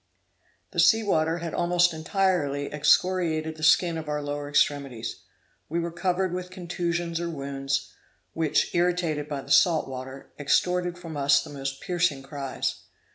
The sea water had almost entirely excoriated the skin of our lower extremities; we were covered with contusions or wounds, which, irritated by the salt water, extorted from us the most piercing cries.